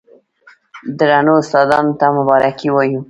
درنو استادانو ته مبارکي وايو،